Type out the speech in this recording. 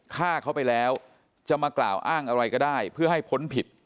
ฆ่าเขาไปแล้วจะมากล่าวอ้างอะไรก็ได้เพื่อให้พ้นผิด